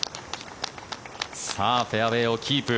フェアウェーをキープ。